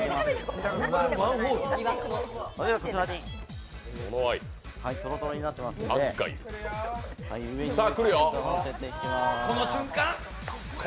こちらに、とろとろになってますんで、上にのせていきます。